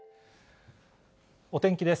お天気です。